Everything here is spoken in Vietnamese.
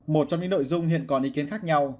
một trong những nội dung hiện còn ý kiến khác nhau